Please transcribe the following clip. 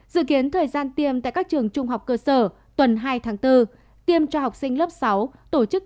dự kiến thời gian tiêm tại các trường trung học cơ sở tuần hai tháng bốn tiêm cho học sinh lớp sáu tổ chức